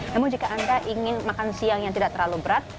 namun jika anda ingin makan siang yang tidak terlalu berat